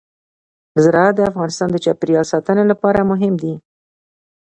زراعت د افغانستان د چاپیریال ساتنې لپاره مهم دي.